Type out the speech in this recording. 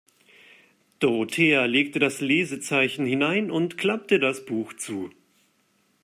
Dorothea legte das Lesezeichen hinein und klappte das Buch zu.